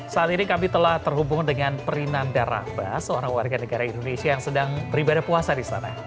saat ini kami telah terhubung dengan perinan daraba seorang warga negara indonesia yang sedang beribadah puasa di sana